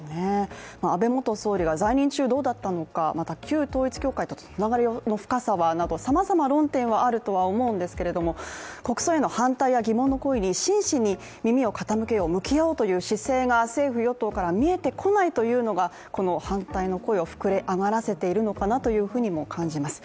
安倍元総理が在任中どうだったのか、また旧統一教会とのつながりの深さなどさまざま論点があるとは思うんですけども国葬への反対や疑問の声に真摯に耳を傾けよう向き合おうという姿勢が政府・与党から見えてこないというのがこの反対の声を膨れ上がらせているのかなというふうにも感じます。